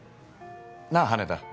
なあ羽田